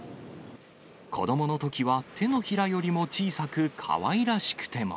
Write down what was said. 子どものときは手のひらよりも小さく、かわいらしくても。